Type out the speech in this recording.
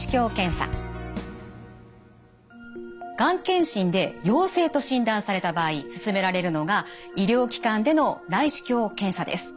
がん検診で陽性と診断された場合すすめられるのが医療機関での内視鏡検査です。